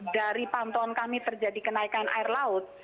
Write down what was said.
dari pantauan kami terjadi kenaikan air laut